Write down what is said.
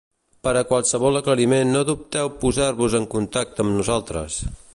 Per a qualsevol aclariment no dubteu posar-vos en contacte amb nosaltres